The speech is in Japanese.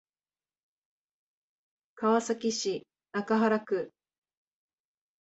川崎市中原区